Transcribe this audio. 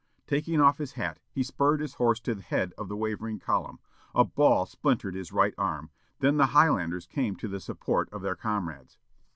Taking off his hat, he spurred his horse to the head of the wavering column. A ball splintered his right arm. Then the Highlanders came to the support of their comrades.